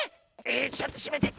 えちょっとしめて。